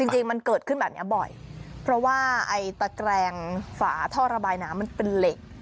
จริงมันเกิดขึ้นแบบนี้บ่อยเพราะว่าไอ้ตะแกรงฝาท่อระบายน้ำมันเป็นเหล็ก